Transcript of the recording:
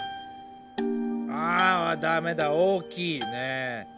あダメだ大きいねぇ。